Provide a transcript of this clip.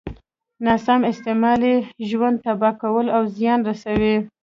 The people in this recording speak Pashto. ناسم استعمال يې ژوند تباه کوي او زيان رسوي.